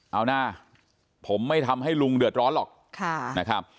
เอาหน้าผมไม่ทำให้ลุงเดือดร้อนหรอก